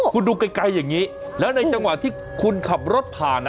คุณดูไกลอย่างนี้แล้วในจังหวะที่คุณขับรถผ่าน